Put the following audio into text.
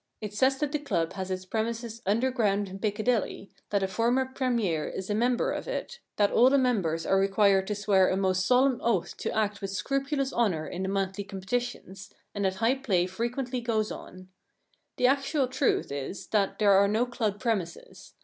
It says that the club has its premises underground in Piccadilly, that a former Premier is a member of it, that all the members are required to swear a most solemn oath to act 3 The Problem Club with scrupulous honour in the monthly com petitions, and that high play frequently goes on. The actual truth is that there are no club premises.